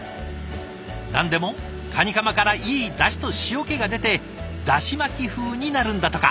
何でもカニカマからいいだしと塩気が出てだし巻き風になるんだとか。